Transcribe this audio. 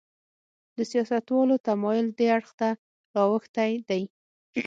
د سیاستوالو تمایل دې اړخ ته راوښتی دی.